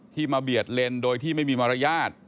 มาเบียดเลนโดยที่ไม่มีมารยาท